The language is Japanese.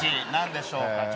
何でしょうか？